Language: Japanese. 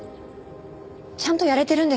ちゃんとやれてるんですか？